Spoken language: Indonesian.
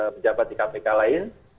pejabat di kpk lain